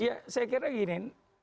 ya saya kira begini